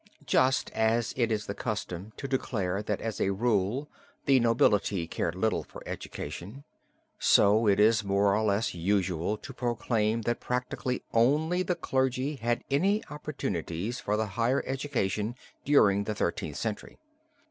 Just as it is the custom to declare that as a rule, the nobility cared little for education, so it is more or less usual to proclaim that practically only the clergy had any opportunities for the higher education during the Thirteenth Century.